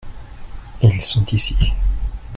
ils sont ici.